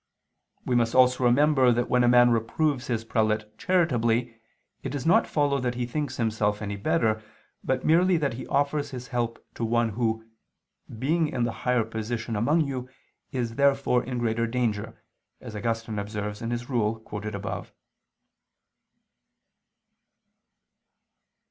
We must also remember that when a man reproves his prelate charitably, it does not follow that he thinks himself any better, but merely that he offers his help to one who, "being in the higher position among you, is therefore in greater danger," as Augustine observes in his Rule quoted above.